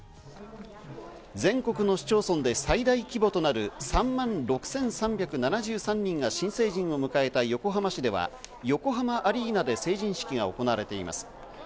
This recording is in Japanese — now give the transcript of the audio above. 全国の市町村で最大規模となる３万６３７３人が新成人を迎えた横浜市では、横浜アリーナで成人式が行われています。